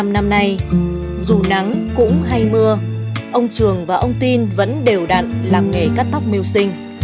bảy mươi năm năm nay dù nắng cũng hay mưa ông trường và ông tin vẫn đều đặn làm nghề cắt tóc mưu sinh